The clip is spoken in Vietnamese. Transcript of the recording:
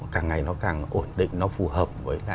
càng ngày nó càng ổn định nó phù hợp